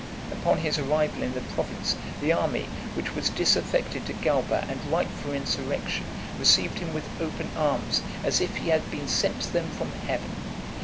Upon his arrival in the province, the army, (432) which was disaffected to Galba, and ripe for insurrection, received him with open arms, as if he had been sent them from heaven.